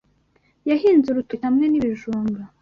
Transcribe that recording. yahinze urutoki hamwe n’ ibijumba